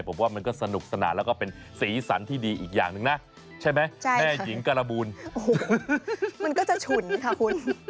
ผมว่ามันก็สนุกสนานแล้วก็เป็นสีสันที่ดีอีกอย่างหนึ่งนะใช่ไหมแม่หญิงการบูลมันก็จะฉุนค่ะคุณ